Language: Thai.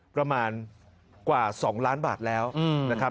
ประมาณกว่า๒ล้านบาทแล้วนะครับ